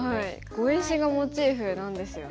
碁石がモチーフなんですよね。